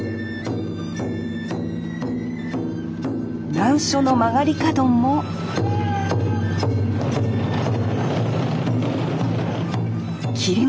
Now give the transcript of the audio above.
難所の曲がり角もせの！